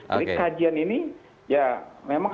jadi kajian ini ya memang